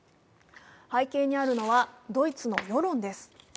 背景にあるのは、ドイツの世論です